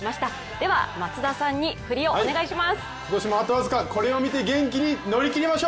では、松田さんにフリをお願いします！